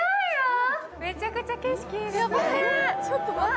めちゃくちゃ景色いいね。